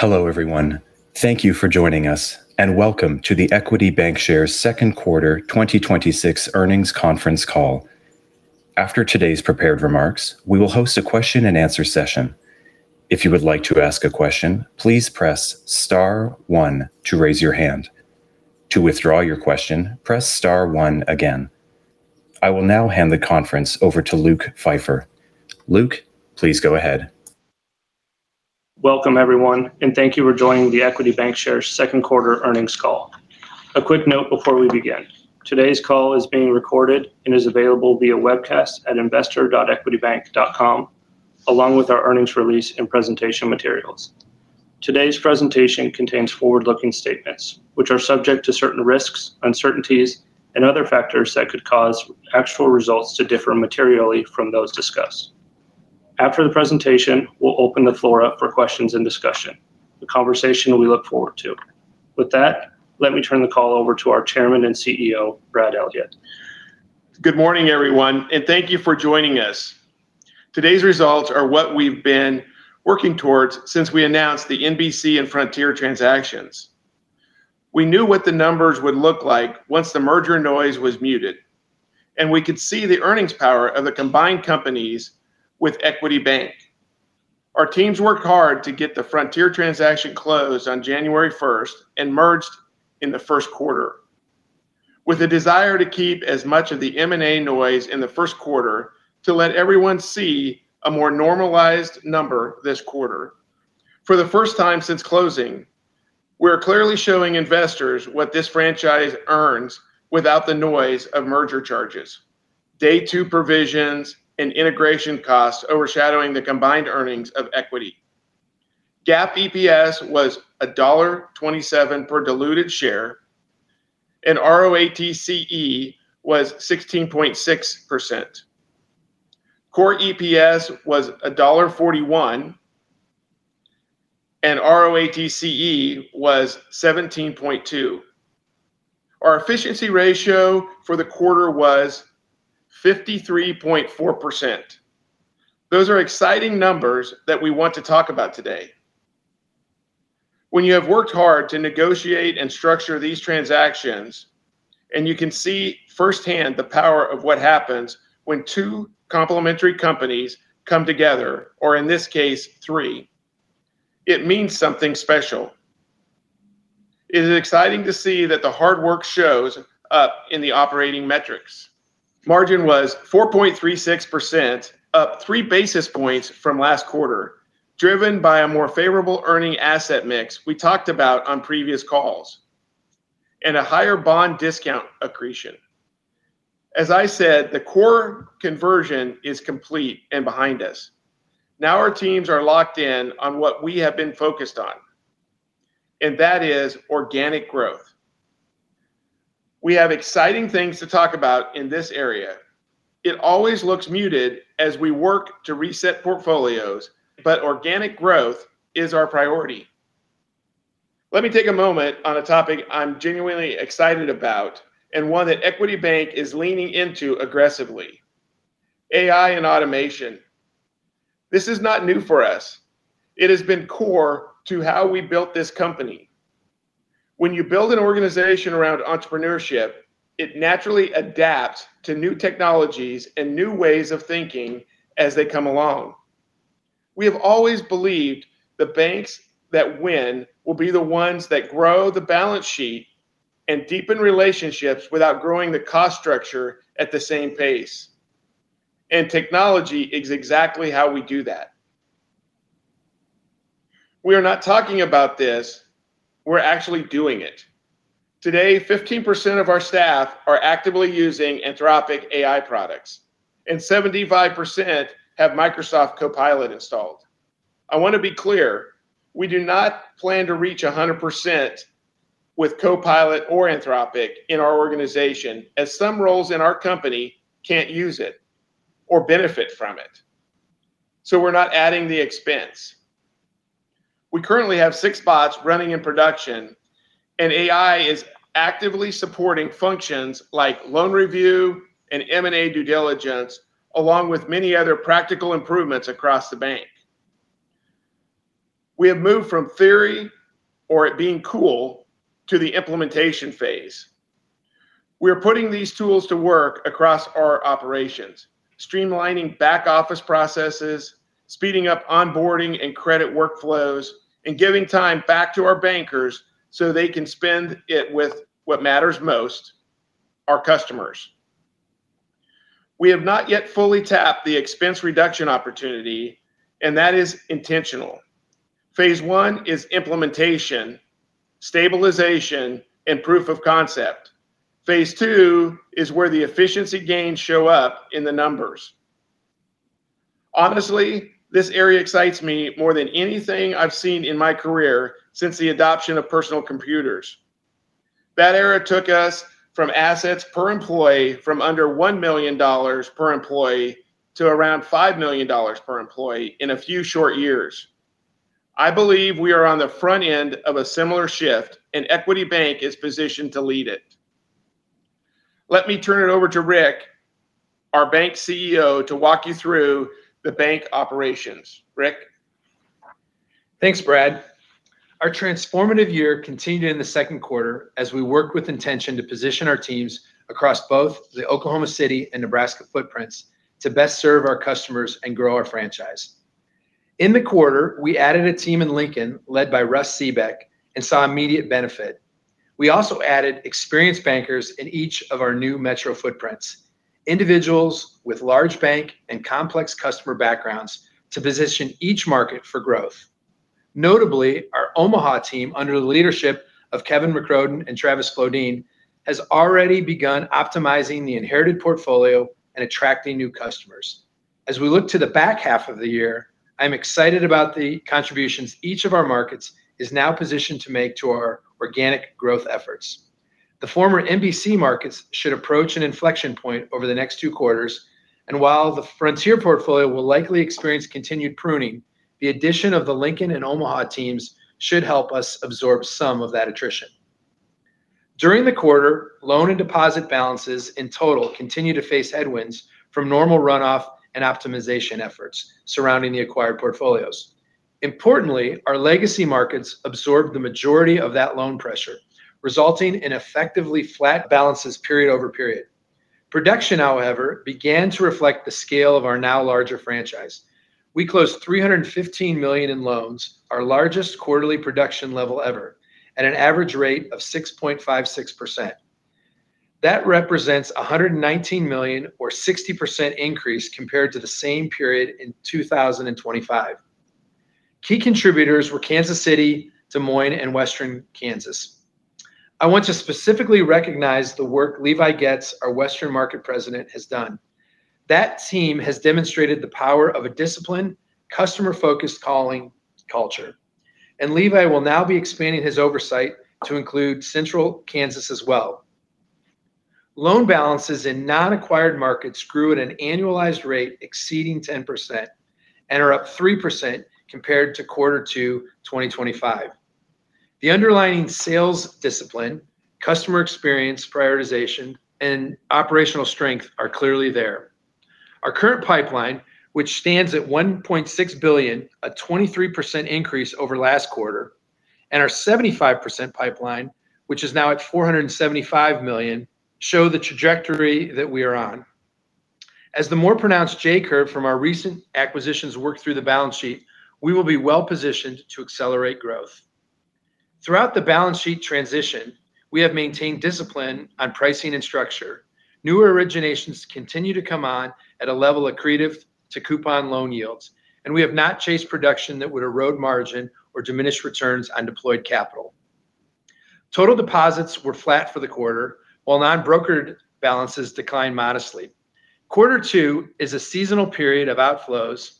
Hello, everyone. Thank you for joining us, and welcome to the Equity Bancshares second quarter 2026 earnings conference call. After today's prepared remarks, we will host a question and answer session. If you would like to ask a question, please press star one to raise your hand. To withdraw your question, press star one again. I will now hand the conference over to Luke Pfeifer. Luke, please go ahead. Welcome, everyone. Thank you for joining the Equity Bancshares second quarter earnings call. A quick note before we begin. Today's call is being recorded and is available via webcast at investor.equitybank.com, along with our earnings release and presentation materials. Today's presentation contains forward-looking statements, which are subject to certain risks, uncertainties, and other factors that could cause actual results to differ materially from those discussed. After the presentation, we'll open the floor up for questions and discussion. A conversation we look forward to. Let me turn the call over to our Chairman and CEO, Brad Elliott. Good morning, everyone. Thank you for joining us. Today's results are what we've been working towards since we announced the NBC and Frontier transactions. We knew what the numbers would look like once the merger noise was muted, and we could see the earnings power of the combined companies with Equity Bank. Our teams worked hard to get the Frontier transaction closed on January 1st and merged in the first quarter. A desire to keep as much of the M&A noise in the first quarter to let everyone see a more normalized number this quarter. For the first time since closing, we are clearly showing investors what this franchise earns without the noise of merger charges, day two provisions, and integration costs overshadowing the combined earnings of Equity. GAAP EPS was $1.27 per diluted share, and ROATCE was 16.6%. Core EPS was $1.41, and ROATCE was 17.2%. Our efficiency ratio for the quarter was 53.4%. Those are exciting numbers that we want to talk about today. When you have worked hard to negotiate and structure these transactions, you can see firsthand the power of what happens when two complementary companies come together, or in this case, three, it means something special. It is exciting to see that the hard work shows up in the operating metrics. Margin was 4.36%, up three basis points from last quarter, driven by a more favorable earning asset mix we talked about on previous calls and a higher bond discount accretion. I said, the core conversion is complete and behind us. Our teams are locked in on what we have been focused on, that is organic growth. We have exciting things to talk about in this area. It always looks muted as we work to reset portfolios, but organic growth is our priority. Let me take a moment on a topic I'm genuinely excited about and one that Equity Bank is leaning into aggressively. AI and automation. This is not new for us. It has been core to how we built this company. When you build an organization around entrepreneurship, it naturally adapts to new technologies and new ways of thinking as they come along. We have always believed the banks that win will be the ones that grow the balance sheet and deepen relationships without growing the cost structure at the same pace. Technology is exactly how we do that. We are not talking about this. We're actually doing it. Today, 15% of our staff are actively using Anthropic AI products, and 75% have Microsoft Copilot installed. I want to be clear, we do not plan to reach 100% with Copilot or Anthropic in our organization, as some roles in our company can't use it or benefit from it. We're not adding the expense. We currently have six bots running in production, and AI is actively supporting functions like loan review and M&A due diligence, along with many other practical improvements across the bank. We have moved from theory or it being cool to the implementation phase. We are putting these tools to work across our operations, streamlining back-office processes, speeding up onboarding and credit workflows, and giving time back to our bankers so they can spend it with what matters most, our customers. We have not yet fully tapped the expense reduction opportunity, and that is intentional. Phase one is implementation, stabilization, and proof of concept. Phase two is where the efficiency gains show up in the numbers. Honestly, this area excites me more than anything I've seen in my career since the adoption of personal computers. That era took us from assets per employee from under $1 million per employee to around $5 million per employee in a few short years. I believe we are on the front end of a similar shift, and Equity Bank is positioned to lead it. Let me turn it over to Rick, our bank CEO, to walk you through the bank operations. Rick? Thanks, Brad. Our transformative year continued in the second quarter as we worked with intention to position our teams across both the Oklahoma City and Nebraska footprints to best serve our customers and grow our franchise. In the quarter, we added a team in Lincoln, led by Russ Seebeck, and saw immediate benefit. We also added experienced bankers in each of our new metro footprints, individuals with large bank and complex customer backgrounds to position each market for growth. Notably, our Omaha team, under the leadership of Kevin McGoogan and Travis Flodin, has already begun optimizing the inherited portfolio and attracting new customers. As we look to the back half of the year, I'm excited about the contributions each of our markets is now positioned to make to our organic growth efforts. The former NBC markets should approach an inflection point over the next two quarters. While the Frontier portfolio will likely experience continued pruning, the addition of the Lincoln and Omaha teams should help us absorb some of that attrition. During the quarter, loan and deposit balances in total continued to face headwinds from normal runoff and optimization efforts surrounding the acquired portfolios. Importantly, our legacy markets absorbed the majority of that loan pressure, resulting in effectively flat balances period over period. Production, however, began to reflect the scale of our now larger franchise. We closed $315 million in loans, our largest quarterly production level ever, at an average rate of 6.56%. That represents $119 million or 60% increase compared to the same period in 2025. Key contributors were Kansas City, Des Moines, and western Kansas. I want to specifically recognize the work Levi Goetz, our Western Market President, has done. That team has demonstrated the power of a disciplined, customer-focused calling culture. Levi will now be expanding his oversight to include central Kansas as well. Loan balances in non-acquired markets grew at an annualized rate exceeding 10% and are up 3% compared to quarter two 2025. The underlying sales discipline, customer experience prioritization, and operational strength are clearly there. Our current pipeline, which stands at $1.6 billion, a 23% increase over last quarter, and our 75% pipeline, which is now at $475 million, show the trajectory that we are on. As the more pronounced J-curve from our recent acquisitions work through the balance sheet, we will be well-positioned to accelerate growth. Throughout the balance sheet transition, we have maintained discipline on pricing and structure. New originations continue to come on at a level accretive to coupon loan yields. We have not chased production that would erode margin or diminish returns on deployed capital. Total deposits were flat for the quarter, while non-brokered balances declined modestly. Quarter two is a seasonal period of outflows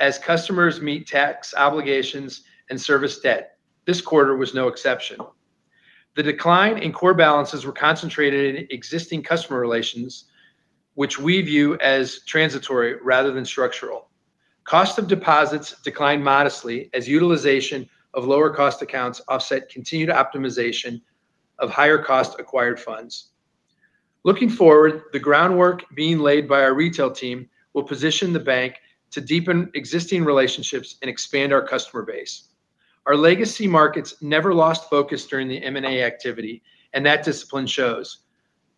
as customers meet tax obligations and service debt. This quarter was no exception. The decline in core balances were concentrated in existing customer relations, which we view as transitory rather than structural. Cost of deposits declined modestly as utilization of lower-cost accounts offset continued optimization of higher-cost acquired funds. Looking forward, the groundwork being laid by our retail team will position the bank to deepen existing relationships and expand our customer base. Our legacy markets never lost focus during the M&A activity. That discipline shows.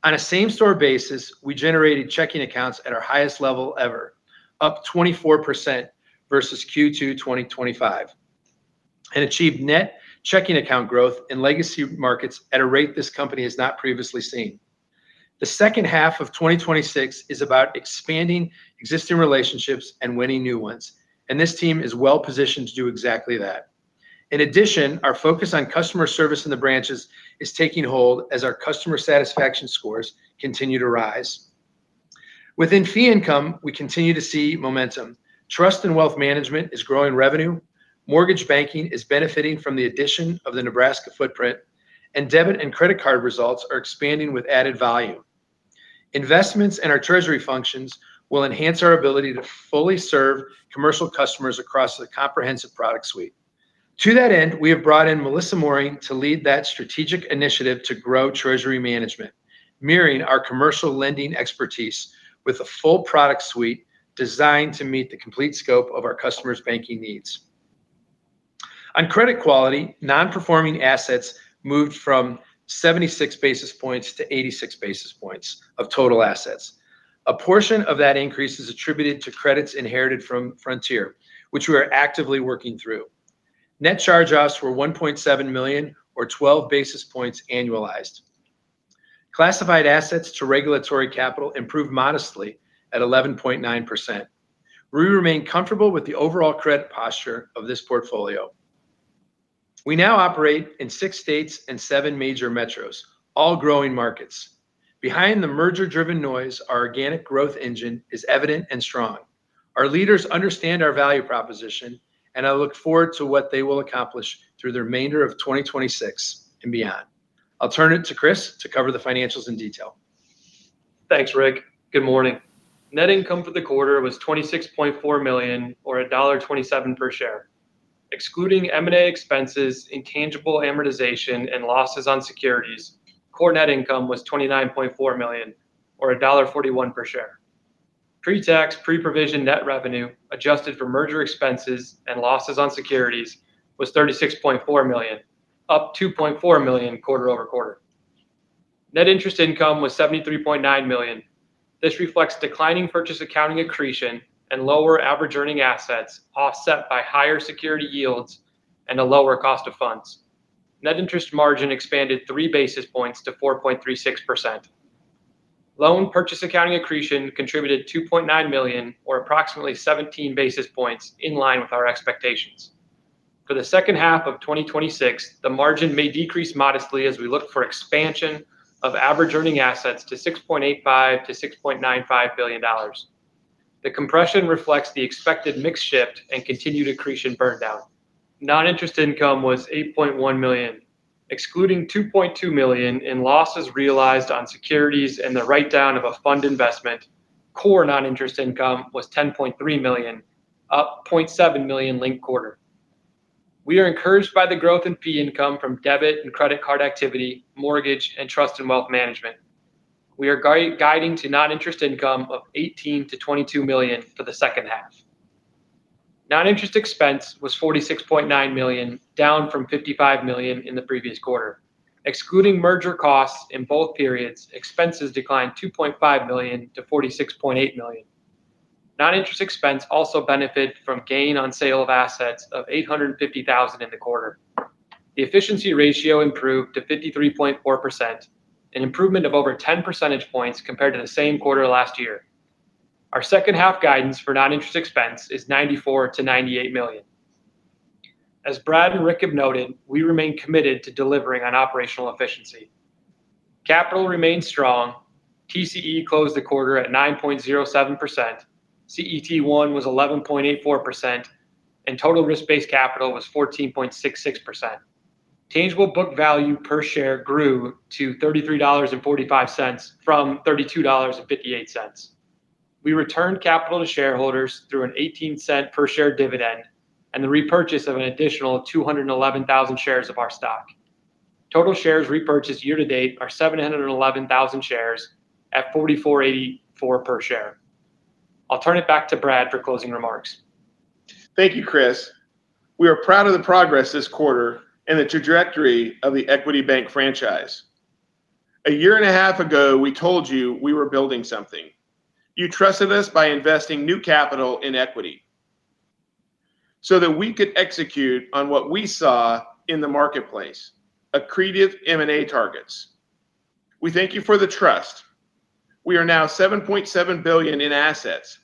On a same-store basis, we generated checking accounts at our highest level ever, up 24% versus Q2 2025. We achieved net checking account growth in legacy markets at a rate this company has not previously seen. The second half of 2026 is about expanding existing relationships and winning new ones. This team is well-positioned to do exactly that. In addition, our focus on customer service in the branches is taking hold as our customer satisfaction scores continue to rise. Within fee income, we continue to see momentum. Trust and wealth management is growing revenue, mortgage banking is benefiting from the addition of the Nebraska footprint. Debit and credit card results are expanding with added value. Investments in our treasury functions will enhance our ability to fully serve commercial customers across the comprehensive product suite. To that end, we have brought in Melissa Morin to lead that strategic initiative to grow treasury management, mirroring our commercial lending expertise with a full product suite designed to meet the complete scope of our customers' banking needs. On credit quality, non-performing assets moved from 76 basis points to 86 basis points of total assets. A portion of that increase is attributed to credits inherited from Frontier, which we are actively working through. Net charge-offs were $1.7 million or 12 basis points annualized. Classified assets to regulatory capital improved modestly at 11.9%. We remain comfortable with the overall credit posture of this portfolio. We now operate in six states and seven major metros, all growing markets. Behind the merger-driven noise, our organic growth engine is evident and strong. Our leaders understand our value proposition. I look forward to what they will accomplish through the remainder of 2026 and beyond. I'll turn it to Chris to cover the financials in detail. Thanks, Rick. Good morning. Net income for the quarter was $26.4 million, or $1.27 per share. Excluding M&A expenses, intangible amortization, and losses on securities, core net income was $29.4 million or $1.41 per share. Pre-tax, pre-provision net revenue adjusted for merger expenses and losses on securities was $36.4 million, up $2.4 million quarter-over-quarter. Net interest income was $73.9 million. This reflects declining purchase accounting accretion and lower average earning assets offset by higher security yields and a lower cost of funds. Net interest margin expanded three basis points to 4.36%. Loan purchase accounting accretion contributed $2.9 million or approximately 17 basis points in line with our expectations. For the second half of 2026, the margin may decrease modestly as we look for expansion of average earning assets to $6.85 billion-$6.95 billion. The compression reflects the expected mix shift and continued accretion burn down. Non-interest income was $8.1 million, excluding $2.2 million in losses realized on securities and the write-down of a fund investment. Core non-interest income was $10.3 million, up $0.7 million linked quarter. We are encouraged by the growth in fee income from debit and credit card activity, mortgage, and trust and wealth management. We are guiding to non-interest income of $18 million-$22 million for the second half. Non-interest expense was $46.9 million, down from $55 million in the previous quarter. Excluding merger costs in both periods, expenses declined $2.5 million to $46.8 million. Non-interest expense also benefited from gain on sale of assets of $850,000 in the quarter. The efficiency ratio improved to 53.4%, an improvement of over 10 percentage points compared to the same quarter last year. Our second-half guidance for non-interest expense is $94 million-$98 million. As Brad and Rick have noted, we remain committed to delivering on operational efficiency. Capital remains strong. TCE closed the quarter at 9.07%, CET1 was 11.84%, and total risk-based capital was 14.66%. Tangible book value per share grew to $33.45 from $32.58. We returned capital to shareholders through a $0.18 per share dividend and the repurchase of an additional 211,000 shares of our stock. Total shares repurchased year to date are 711,000 shares at $44.84 per share. I will turn it back to Brad for closing remarks. Thank you, Chris. We are proud of the progress this quarter and the trajectory of the Equity Bank franchise. A year and a half ago, we told you we were building something. You trusted us by investing new capital in Equity so that we could execute on what we saw in the marketplace, accretive M&A targets. We thank you for the trust. We are now $7.7 billion in assets,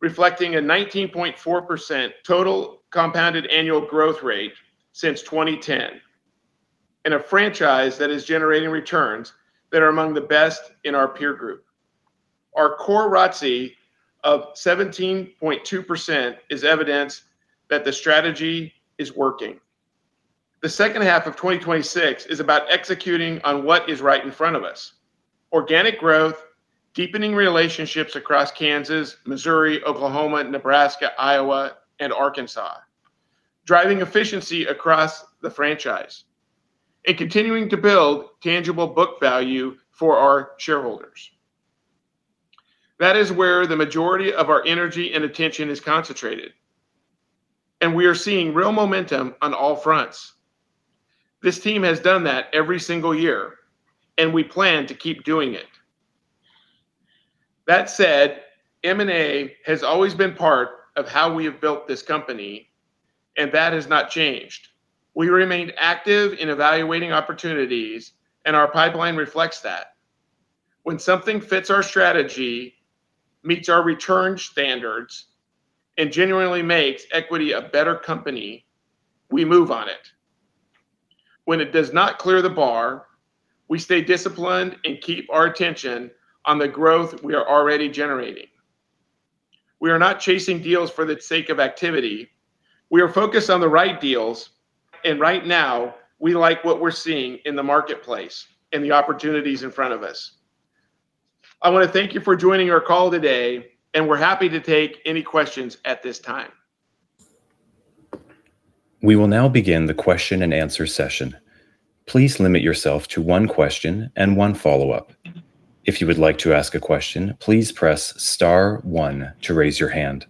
reflecting a 19.4% total compounded annual growth rate since 2010, and a franchise that is generating returns that are among the best in our peer group. Our core ROATCE of 17.2% is evidence that the strategy is working. The second half of 2026 is about executing on what is right in front of us. Organic growth, deepening relationships across Kansas, Missouri, Oklahoma, Nebraska, Iowa, and Arkansas, driving efficiency across the franchise, and continuing to build tangible book value for our shareholders. That is where the majority of our energy and attention is concentrated. We are seeing real momentum on all fronts. This team has done that every single year. We plan to keep doing it. That said, M&A has always been part of how we have built this company. That has not changed. We remained active in evaluating opportunities. Our pipeline reflects that. When something fits our strategy, meets our return standards, and genuinely makes Equity a better company, we move on it. When it does not clear the bar, we stay disciplined and keep our attention on the growth we are already generating. We are not chasing deals for the sake of activity. We are focused on the right deals. Right now, we like what we are seeing in the marketplace and the opportunities in front of us. I want to thank you for joining our call today. We are happy to take any questions at this time. We will now begin the question and answer session. Please limit yourself to one question and one follow-up. If you would like to ask a question, please press star one to raise your hand.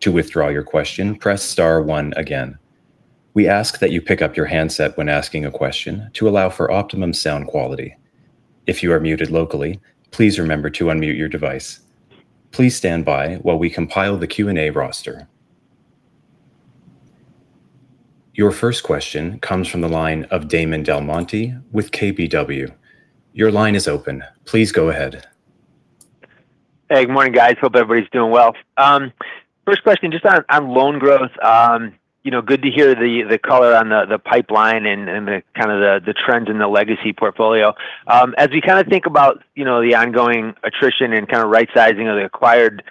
To withdraw your question, press star one again. We ask that you pick up your handset when asking a question to allow for optimum sound quality. If you are muted locally, please remember to unmute your device. Please stand by while we compile the Q&A roster. Your first question comes from the line of Damon DelMonte with KBW. Your line is open. Please go ahead. Hey, good morning, guys. Hope everybody's doing well. First question, just on loan growth. Good to hear the color on the pipeline and the trend in the legacy portfolio. As we think about the ongoing attrition and right-sizing of the acquired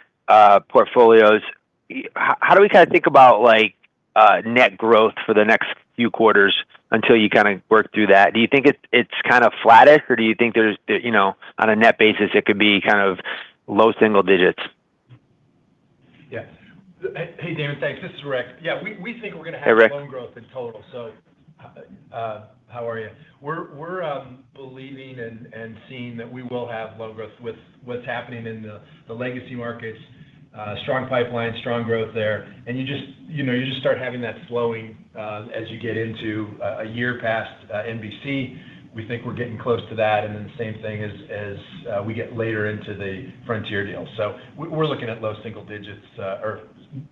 portfolios, how do we think about net growth for the next few quarters until you work through that. Do you think it's flattish, or do you think there's, on a net basis, it could be low single digits? Yeah. Hey, Damon. Thanks. This is Rick. Yeah, we think we're going to have. Hey, Rick. Loan growth in total. How are you? We're believing and seeing that we will have loan growth with what's happening in the legacy markets. Strong pipeline, strong growth there. You just start having that flowing as you get into a year past NBC. We think we're getting close to that, and then same thing as we get later into the Frontier deal. We're looking at low single digits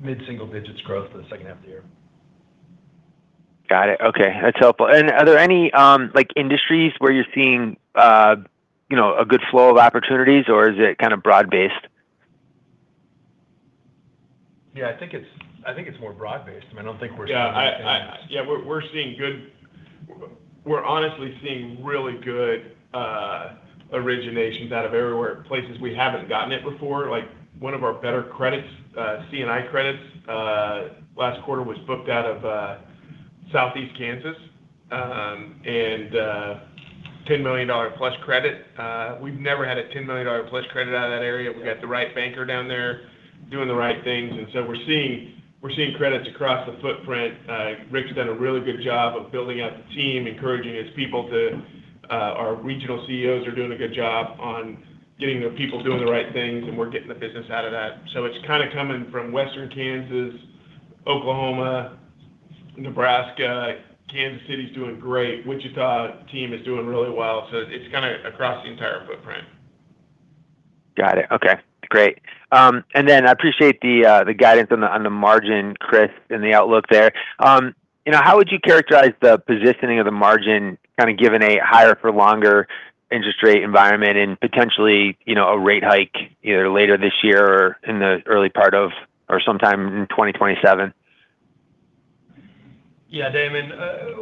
or mid-single digits growth for the second half of the year. Got it. Okay. That's helpful. Are there any industries where you're seeing a good flow of opportunities, or is it broad-based? Yeah, I think it's more broad-based. I don't think we're seeing. We're honestly seeing really good originations out of everywhere. Places we haven't gotten it before. One of our better credits, C&I credits, last quarter was booked out of Southeast Kansas. $10 million-plus credit. We've never had a $10 million-plus credit out of that area. We've got the right banker down there doing the right things. We're seeing credits across the footprint. Rick's done a really good job of building out the team, encouraging his people. Our regional CEOs are doing a good job on getting their people doing the right things, and we're getting the business out of that. It's coming from Western Kansas, Oklahoma, Nebraska. Kansas City's doing great. Wichita team is doing really well. It's across the entire footprint. Got it. Okay, great. I appreciate the guidance on the margin, Chris, and the outlook there. How would you characterize the positioning of the margin, given a higher-for-longer interest rate environment and potentially a rate hike either later this year or in the early part of, or sometime in 2027? Damon,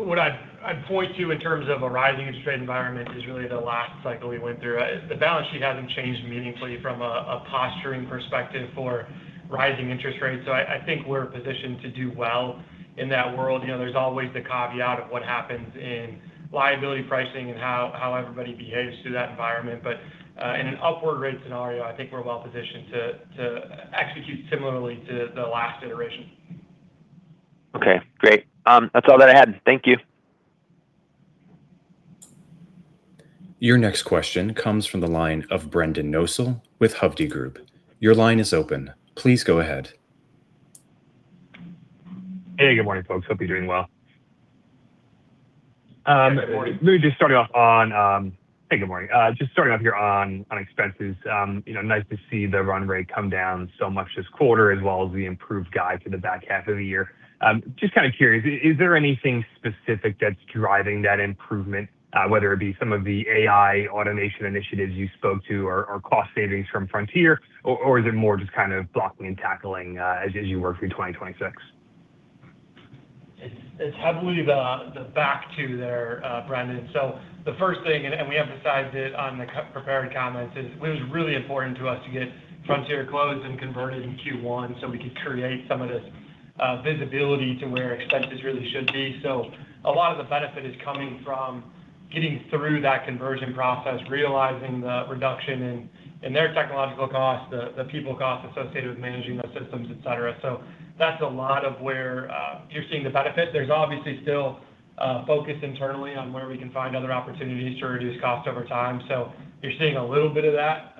what I'd point to in terms of a rising interest rate environment is really the last cycle we went through. The balance sheet hasn't changed meaningfully from a posturing perspective for rising interest rates. I think we're positioned to do well in that world. There's always the caveat of what happens in liability pricing and how everybody behaves through that environment. In an upward rate scenario, I think we're well positioned to execute similarly to the last iteration. Okay, great. That's all that I had. Thank you. Your next question comes from the line of Brendan Nosal with Hovde Group. Your line is open. Please go ahead. Hey, good morning, folks. Hope you're doing well. Hey, good morning. Maybe just starting off. Hey, good morning. Just starting off here on expenses. Nice to see the run rate come down so much this quarter, as well as the improved guide for the back half of the year. Just curious, is there anything specific that's driving that improvement? Whether it be some of the AI automation initiatives you spoke to, or cost savings from Frontier? Is it more just blocking and tackling as you work through 2026? It's heavily the back two there, Brendan. The first thing, and we emphasized it on the prepared comments, is it was really important to us to get Frontier closed and converted in Q1 so we could create some of this visibility to where expenses really should be. A lot of the benefit is coming from getting through that conversion process, realizing the reduction in their technological costs, the people cost associated with managing those systems, et cetera. That's a lot of where you're seeing the benefit. There's obviously still a focus internally on where we can find other opportunities to reduce costs over time. You're seeing a little bit of that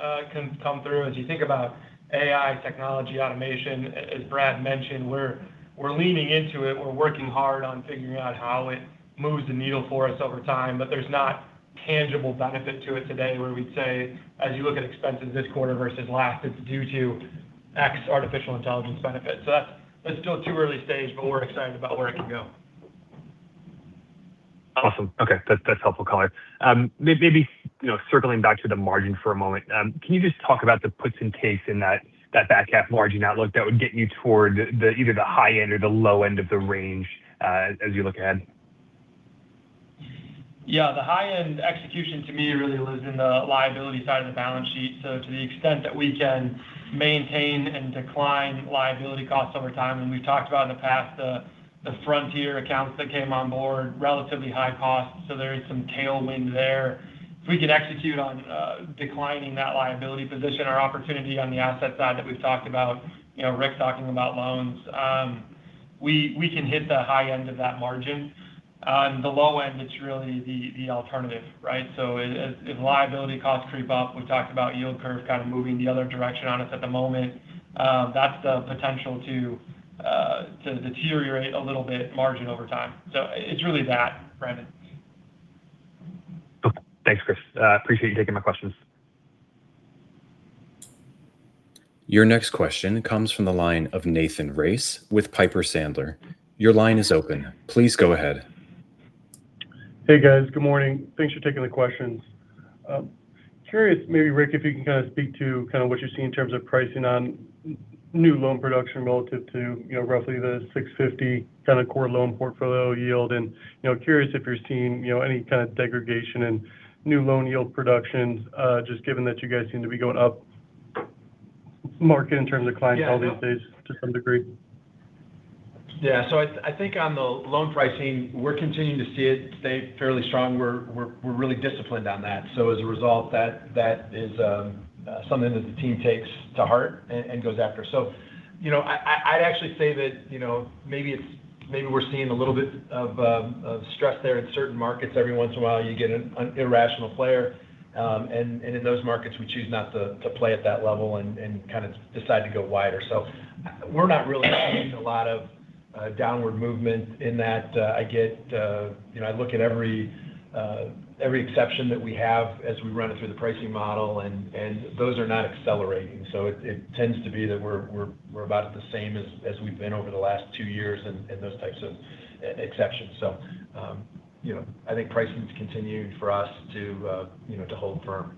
come through. As you think about AI technology automation, as Brad mentioned, we're leaning into it. We're working hard on figuring out how it moves the needle for us over time. There's not tangible benefit to it today where we'd say, as you look at expenses this quarter versus last, it's due to X artificial intelligence benefit. That is still too early stage, but we're excited about where it can go. Awesome. Okay. That's helpful color. Maybe circling back to the margin for a moment. Can you just talk about the puts and takes in that back-half margin outlook that would get you toward either the high end or the low end of the range as you look ahead? The high-end execution to me really lives in the liability side of the balance sheet. To the extent that we can maintain and decline liability costs over time, and we've talked about in the past the Frontier accounts that came on board, relatively high cost. There is some tailwind there. If we can execute on declining that liability position, our opportunity on the asset side that we've talked about, Rick talking about loans. We can hit the high end of that margin. On the low end, it's really the alternative, right? If liability costs creep up, we've talked about yield curve kind of moving the other direction on us at the moment. That's the potential to deteriorate a little bit margin over time. It's really that, Brendan. Okay. Thanks, Chris. I appreciate you taking my questions. Your next question comes from the line of Nathan Race with Piper Sandler. Your line is open. Please go ahead. Hey, guys. Good morning. Thanks for taking the questions. Curious maybe, Rick, if you can speak to what you're seeing in terms of pricing on new loan production relative to roughly the 650 kind of core loan portfolio yield. Curious if you're seeing any kind of degradation in new loan yield productions, just given that you guys seem to be going up. Market in terms of client holding phase to some degree? Yeah. I think on the loan pricing, we're continuing to see it stay fairly strong. We're really disciplined on that. As a result, that is something that the team takes to heart and goes after. I'd actually say that maybe we're seeing a little bit of stress there in certain markets. Every once in a while you get an irrational player. In those markets, we choose not to play at that level and decide to go wider. We're not really seeing a lot of downward movement in that. I look at every exception that we have as we run it through the pricing model, and those are not accelerating. It tends to be that we're about the same as we've been over the last two years in those types of exceptions. I think pricing's continued for us to hold firm.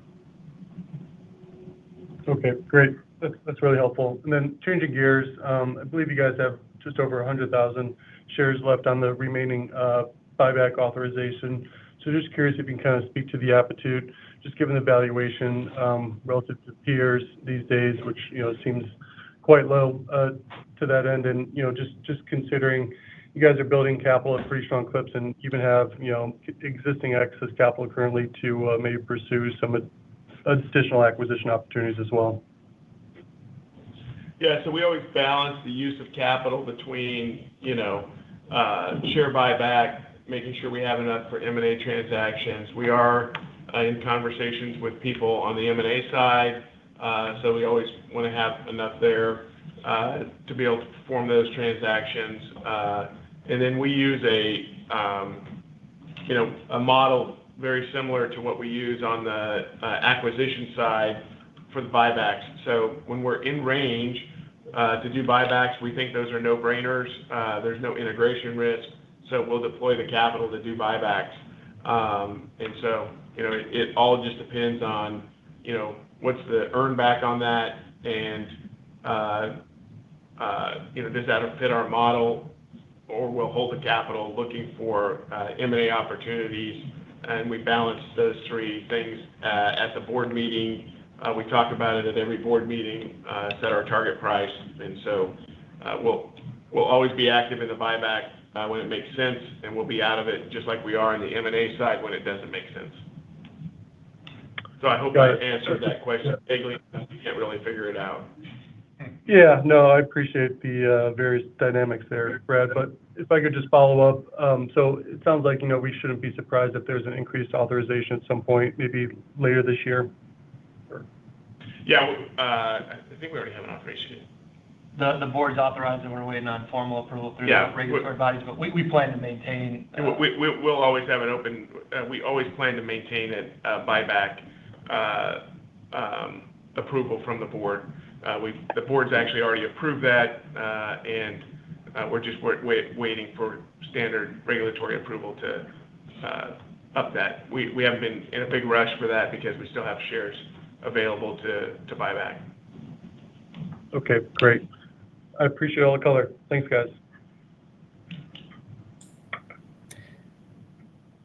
Okay, great. That's really helpful. Changing gears, I believe you guys have just over 100,000 shares left on the remaining buyback authorization. Just curious if you can speak to the aptitude, just given the valuation relative to peers these days, which seems quite low to that end. Just considering you guys are building capital at pretty strong clips and even have existing excess capital currently to maybe pursue some additional acquisition opportunities as well. Yeah. We always balance the use of capital between share buyback, making sure we have enough for M&A transactions. We are in conversations with people on the M&A side. We always want to have enough there to be able to perform those transactions. We use a model very similar to what we use on the acquisition side for the buybacks. When we're in range to do buybacks, we think those are no-brainers. There's no integration risk, we'll deploy the capital to do buybacks. It all just depends on what's the earn back on that and does that fit our model or we'll hold the capital looking for M&A opportunities, and we balance those three things at the board meeting. We talk about it at every board meeting, set our target price. We'll always be active in the buyback when it makes sense, and we'll be out of it just like we are in the M&A side when it doesn't make sense. I hope I answered that question vaguely, because we can't really figure it out. Yeah. No. I appreciate the various dynamics there, Brad. If I could just follow up. It sounds like we shouldn't be surprised if there's an increased authorization at some point, maybe later this year, or? Yeah. I think we already have an authorization. The board's authorized it. We're waiting on formal approval through the regulatory bodies, we plan to maintain. Yeah. We always plan to maintain a buyback approval from the board. The board's actually already approved that, we're just waiting for standard regulatory approval to up that. We haven't been in a big rush for that because we still have shares available to buy back. Great. I appreciate all the color. Thanks, guys.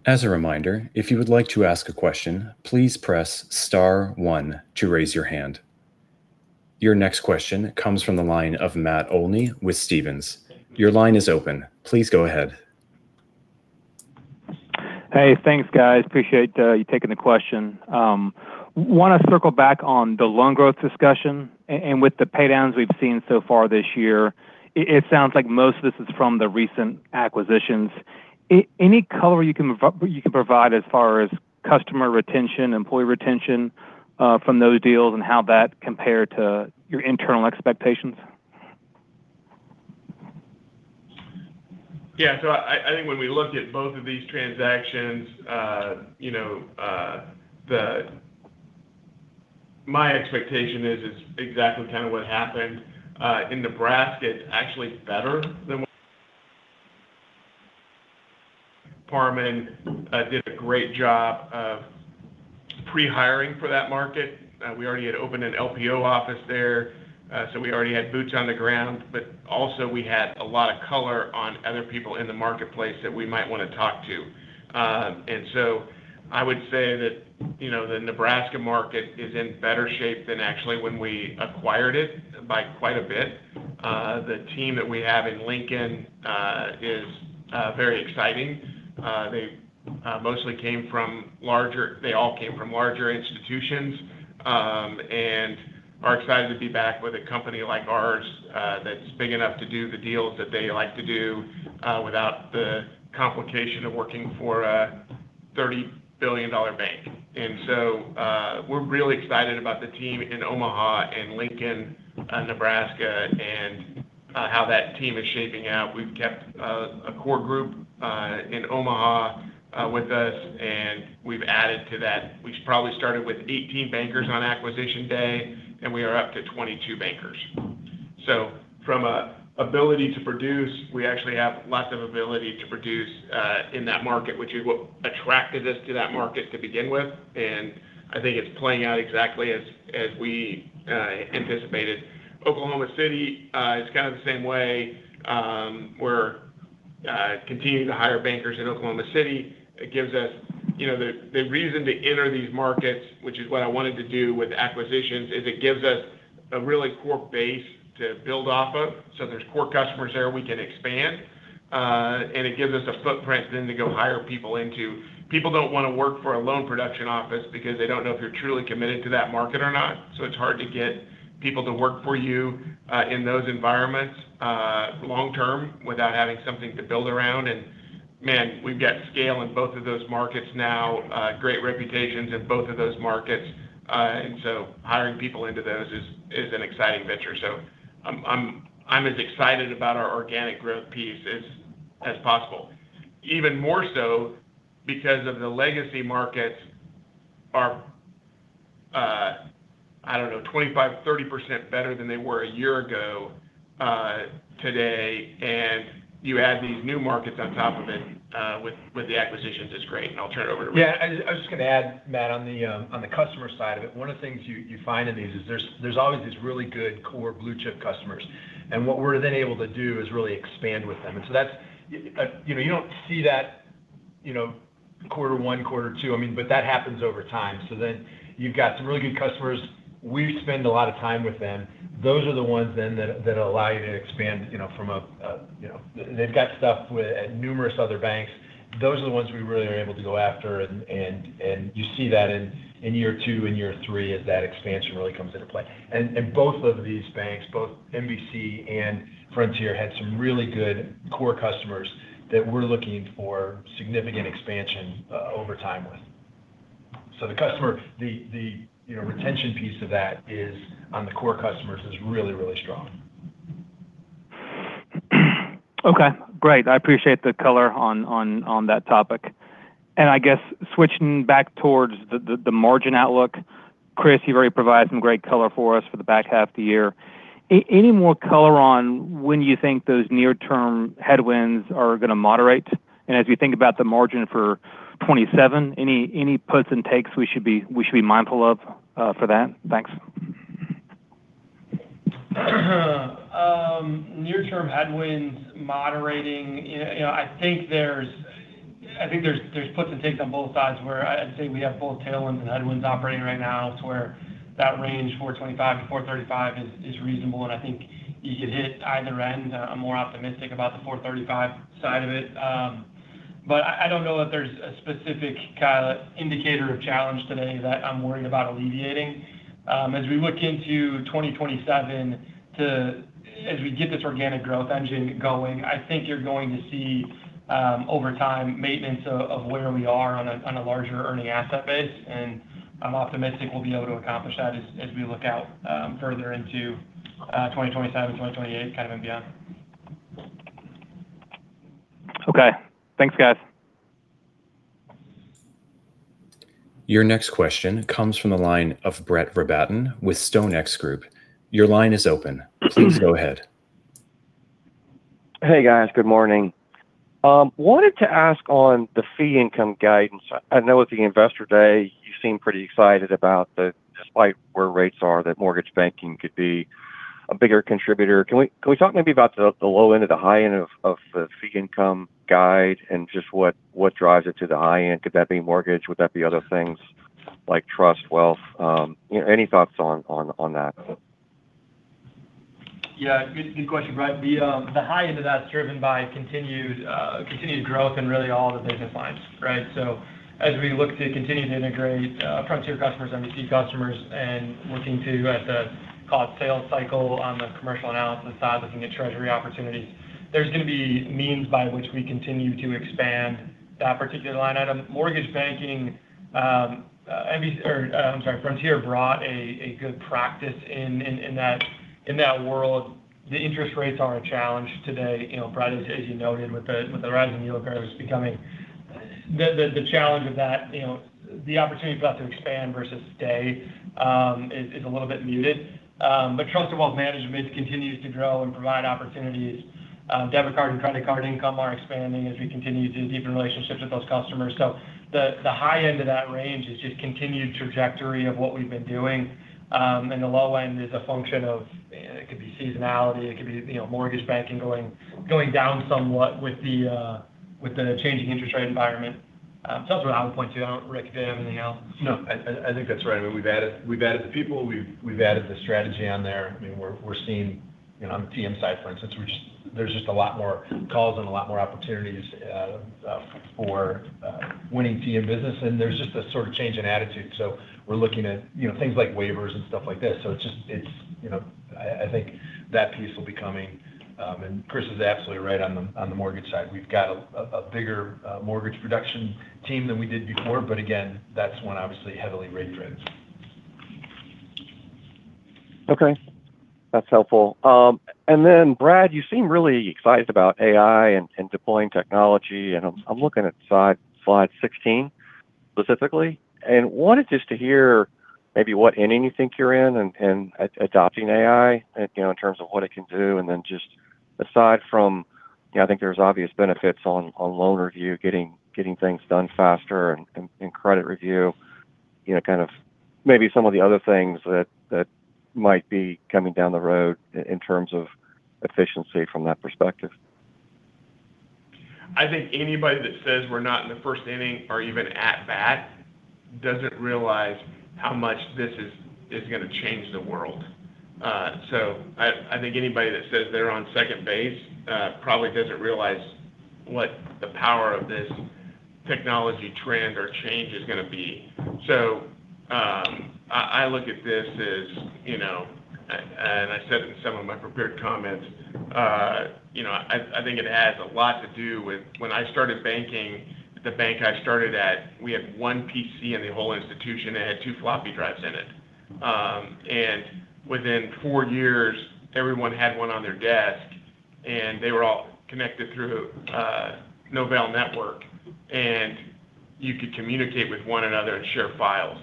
As a reminder, if you would like to ask a question, please press star one to raise your hand. Your next question comes from the line of Matt Olney with Stephens. Your line is open. Please go ahead. Thanks, guys. Appreciate you taking the question. Want to circle back on the loan growth discussion. With the pay-downs we've seen so far this year, it sounds like most of this is from the recent acquisitions. Any color you can provide as far as customer retention, employee retention from those deals and how that compared to your internal expectations? I think when we look at both of these transactions, my expectation is it's exactly what happened. In Nebraska, it's actually better than did a great job of pre-hiring for that market. We already had opened an LPO office there, so we already had boots on the ground. Also we had a lot of color on other people in the marketplace that we might want to talk to. I would say that the Nebraska market is in better shape than actually when we acquired it by quite a bit. The team that we have in Lincoln is very exciting. They all came from larger institutions, and are excited to be back with a company like ours that's big enough to do the deals that they like to do without the complication of working for a $30 billion bank. We're really excited about the team in Omaha and Lincoln, Nebraska, and how that team is shaping out. We've kept a core group in Omaha with us, and we've added to that. We probably started with 18 bankers on acquisition day, and we are up to 22 bankers. From an ability to produce, we actually have lots of ability to produce in that market, which is what attracted us to that market to begin with. I think it's playing out exactly as we anticipated. Oklahoma City is the same way, where. Continue to hire bankers in Oklahoma City. The reason to enter these markets, which is what I wanted to do with acquisitions, is it gives us a really core base to build off of. There's core customers there we can expand, and it gives us a footprint then to go hire people into. People don't want to work for a loan production office because they don't know if you're truly committed to that market or not. It's hard to get people to work for you in those environments long-term without having something to build around. Man, we've got scale in both of those markets now, great reputations in both of those markets. Hiring people into those is an exciting venture. I'm as excited about our organic growth piece as possible. Even more so because of the legacy markets are, I don't know, 25%, 30% better than they were a year ago today. You add these new markets on top of it with the acquisitions is great. I'll turn it over to Rick. Yeah, I was just going to add, Matt, on the customer side of it, one of the things you find in these is there's always these really good core blue-chip customers. What we're able to do is really expand with them. You don't see that quarter one, quarter two. That happens over time. You've got some really good customers. We spend a lot of time with them. Those are the ones that allow you to expand from. They've got stuff at numerous other banks. Those are the ones we really are able to go after and you see that in year two and year three as that expansion really comes into play. Both of these banks, both NBC and Frontier, had some really good core customers that we're looking for significant expansion over time with. The retention piece of that on the core customers is really strong. Okay, great. I appreciate the color on that topic. I guess switching back towards the margin outlook, Chris, you've already provided some great color for us for the back half of the year. Any more color on when you think those near-term headwinds are going to moderate? As we think about the margin for 2027, any puts and takes we should be mindful of for that? Thanks. Near-term headwinds moderating. I think there's puts and takes on both sides where I'd say we have both tailwinds and headwinds operating right now to where that range 425 to 435 is reasonable, and I think you could hit either end. I'm more optimistic about the 435 side of it. I don't know that there's a specific kind of indicator of challenge today that I'm worried about alleviating. As we look into 2027, as we get this organic growth engine going, I think you're going to see, over time, maintenance of where we are on a larger earning asset base. I'm optimistic we'll be able to accomplish that as we look out further into 2027 and 2028 and beyond. Okay. Thanks, guys. Your next question comes from the line of Brett Rabatin with StoneX Group. Your line is open. Please go ahead. Hey, guys. Good morning. Wanted to ask on the fee income guidance. I know at the Investor Day, you seemed pretty excited about despite where rates are, that mortgage banking could be a bigger contributor. Can we talk maybe about the low end or the high end of the fee income guide and just what drives it to the high end? Could that be mortgage? Would that be other things like trust, wealth? Any thoughts on that? Yeah. Good question, Brett. The high end of that's driven by continued growth in really all the business lines. Right? As we look to continue to integrate Frontier customers, NBC customers, and looking to at the call it sale cycle on the commercial and C&I side, looking at treasury opportunities, there's going to be means by which we continue to expand that particular line item. Mortgage banking, Frontier brought a good practice in that world. The interest rates are a challenge today. Brett, as you noted, with the rising yield curves becoming the challenge of that, the opportunity for us to expand versus stay is a little bit muted. Trust and wealth management continues to grow and provide opportunities. Debit card and credit card income are expanding as we continue to deepen relationships with those customers. The high end of that range is just continued trajectory of what we've been doing. The low end is a function of, it could be seasonality, it could be mortgage banking going down somewhat with the changing interest rate environment. That's what I would point to. I don't know, Rick, if you have anything else. No, I think that's right. I mean, we've added the people, we've added the strategy on there. We're seeing on the TM side, for instance, there's just a lot more calls and a lot more opportunities for winning TM business. There's just a sort of change in attitude. We're looking at things like waivers and stuff like this. I think that piece will be coming. Chris is absolutely right on the mortgage side. We've got a bigger mortgage production team than we did before, but again, that's one obviously heavily rate-driven. Okay. That's helpful. Then Brad, you seem really excited about AI and deploying technology. I'm looking at slide 16 specifically. Wanted just to hear maybe what inning you think you're in in adopting AI in terms of what it can do, then just aside from, I think there's obvious benefits on loan review, getting things done faster and credit review. Kind of maybe some of the other things that might be coming down the road in terms of efficiency from that perspective. I think anybody that says we're not in the first inning or even at bat doesn't realize how much this is going to change the world. I think anybody that says they're on second base probably doesn't realize what the power of this technology trend or change is going to be. I look at this as, I said it in some of my prepared comments, I think it has a lot to do with when I started banking, the bank I started at, we had one PC in the whole institution. It had two floppy drives in it. Within four years, everyone had one on their desk, they were all connected through Novell NetWare. You could communicate with one another and share files.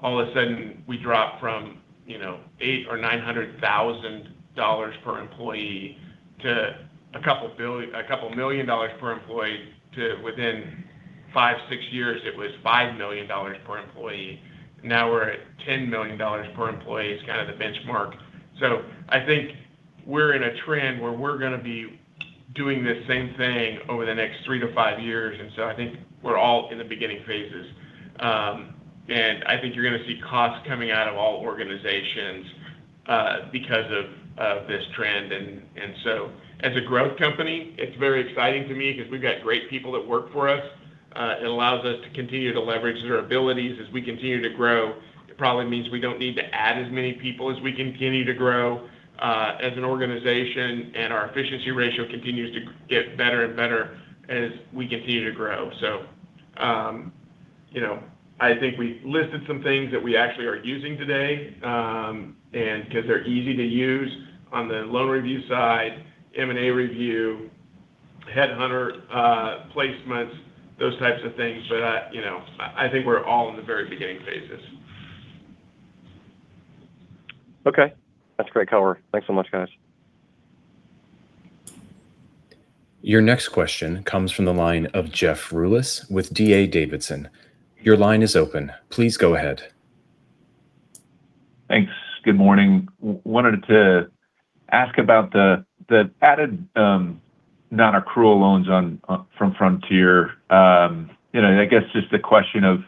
All of a sudden, we dropped from $800,000 or $900,000 per employee to a couple million dollars per employee. To within five, six years, it was $5 million per employee. Now we're at $10 million per employee is kind of the benchmark. I think we're in a trend where we're going to be doing the same thing over the next three to five years. I think we're all in the beginning phases. I think you're going to see costs coming out of all organizations because of this trend. As a growth company, it's very exciting to me because we've got great people that work for us. It allows us to continue to leverage their abilities as we continue to grow. It probably means we don't need to add as many people as we continue to grow as an organization, and our efficiency ratio continues to get better and better as we continue to grow. I think we listed some things that we actually are using today because they're easy to use on the loan review side, M&A review, headhunter placements, those types of things. I think we're all in the very beginning phases. Okay. That's great cover. Thanks so much, guys. Your next question comes from the line of Jeff Rulis with D.A. Davidson. Your line is open. Please go ahead. Thanks. Good morning. Wanted to ask about the added non-accrual loans from Frontier. I guess just a question of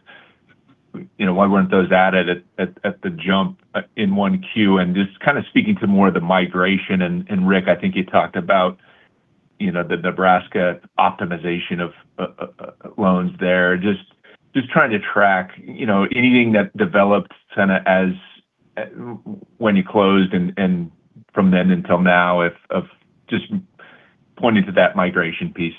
why weren't those added at the jump in 1Q? Just kind of speaking to more of the migration, and Rick, I think you talked about the Nebraska optimization of loans there. Just trying to track anything that developed when you closed and from then until now of just pointing to that migration piece.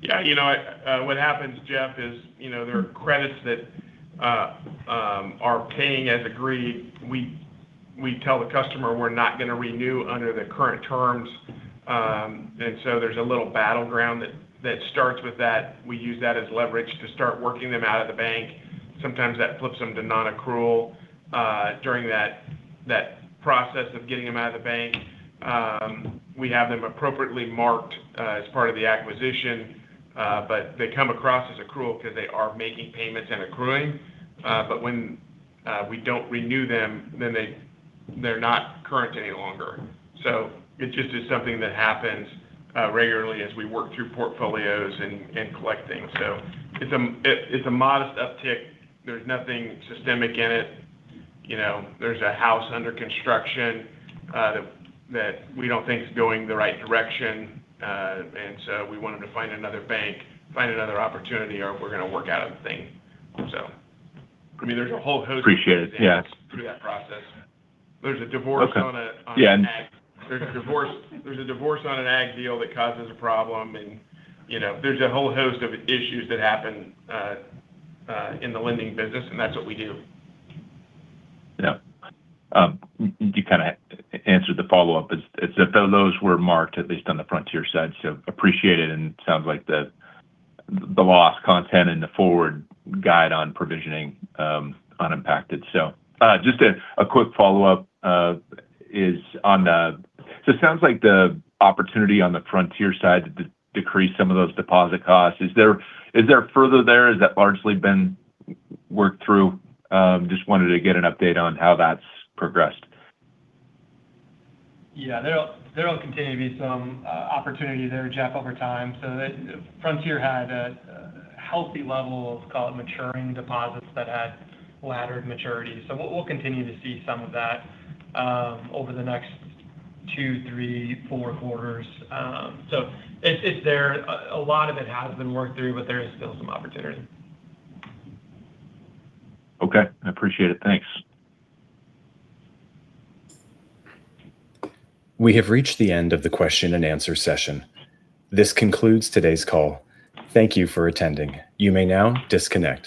Yeah. What happens, Jeff, is there are credits that are paying as agreed. We tell the customer we're not going to renew under the current terms. There's a little battleground that starts with that. We use that as leverage to start working them out of the bank. Sometimes that flips them to non-accrual during that process of getting them out of the bank. We have them appropriately marked as part of the acquisition, but they come across as accrual because they are making payments and accruing. When we don't renew them, then they're not current any longer. It just is something that happens regularly as we work through portfolios and collect things. It's a modest uptick. There's nothing systemic in it. There's a house under construction that we don't think is going the right direction. We want them to find another bank, find another opportunity, or if we're going to work out a thing. I mean, there's a whole host of things. Appreciate it. Yeah Through that process. There's a divorce on a deal that causes a problem, there's a whole host of issues that happen in the lending business, that's what we do. Yeah. You kind of answered the follow-up. It's that those were marked at least on the Frontier side, appreciate it, sounds like the loss content in the forward guide on provisioning unimpacted. Just a quick follow-up is on, it sounds like the opportunity on the Frontier side to decrease some of those deposit costs. Is there further there? Has that largely been worked through? Just wanted to get an update on how that's progressed. Yeah. There'll continue to be some opportunity there, Jeff, over time. Frontier had a healthy level of maturing deposits that had laddered maturity. We'll continue to see some of that over the next two, three, four quarters. It's there. A lot of it has been worked through, there is still some opportunity. Okay. I appreciate it. Thanks. We have reached the end of the question and answer session. This concludes today's call. Thank you for attending. You may now disconnect.